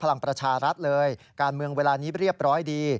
พลังประชารัฐเลยการเมืองเวลานี้เรียบร้อยดี